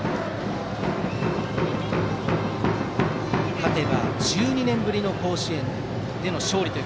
勝てば１２年ぶりの甲子園での勝利